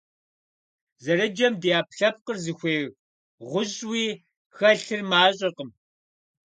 Зэрыджэм ди Ӏэпкълъэпкъыр зыхуей гъущӀуи хэлъыр мащӀэкъым.